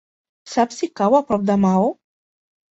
Saps si cau a prop de Maó?